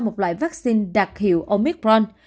một loại vaccine đặc hiệu omicron